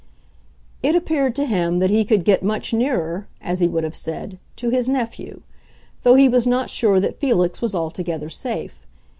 It appeared to him that he could get much nearer, as he would have said, to his nephew; though he was not sure that Felix was altogether safe.